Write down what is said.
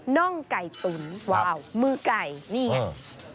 น่องไก่ตุ๋นว้าวมือไก่นี่ไง